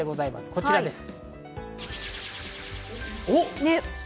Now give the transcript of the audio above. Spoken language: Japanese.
こちらです。